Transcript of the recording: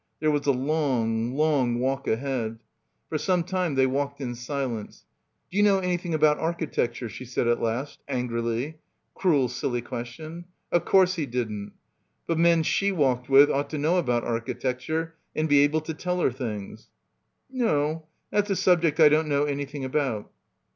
There was a long, long walk ahead. For some time they walked in silence. "D'you know any thing about architecture?" she said at last angrily ... cruel silly question. Of course he didn't. But men she walked with ought to know about architecture and be able to tell her things. "No. That's a subject I don't know anything about."